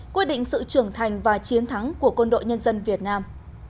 quyết định sự trưởng thành và chiến thắng của quân đội nhân dân việt nam